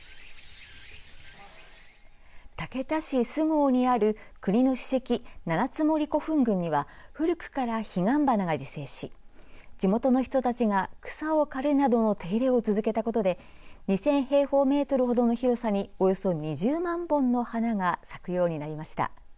竹田市菅生にある国の史跡七ツ森古墳群には古くから彼岸花が自生し地元の人たちが草を刈るなどの手入れを続けたことで２０００平方メートルほどの広さにおよそ２０万本の花が咲くようになりました。